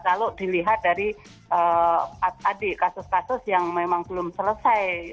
kalau dilihat dari tadi kasus kasus yang memang belum selesai